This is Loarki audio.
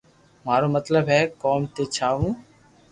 مارو مطلب ھي ڪوم تي جا تو